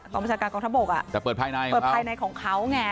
ประชาการกองทัพบกแต่เปิดภายในเปิดภายในของเขาไง